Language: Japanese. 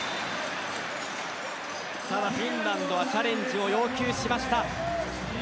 ただ、フィンランドはチャレンジを要求しました。